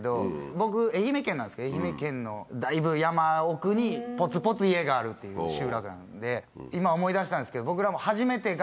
僕愛媛県なんですけど愛媛県のだいぶ山奥にぽつぽつ家があるっていう集落なので今思い出したんですけど。